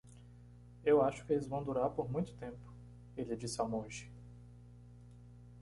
"Eu acho que eles vão durar por muito tempo?" ele disse ao monge.